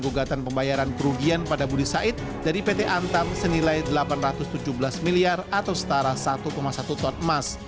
gugatan pembayaran kerugian pada budi said dari pt antam senilai delapan ratus tujuh belas miliar atau setara satu satu ton emas